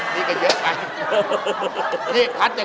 เธอจะไม่ใช่ผมผมจะ